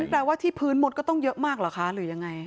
แปลว่าที่พื้นมดก็ต้องเยอะมากเหรอคะหรือยังไง